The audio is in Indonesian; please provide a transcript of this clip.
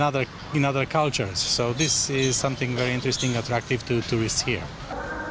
jadi ini adalah sesuatu yang sangat menarik dan menarik bagi turis di sini